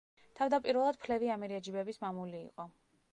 თავდაპირველად ფლევი ამირეჯიბების მამული იყო.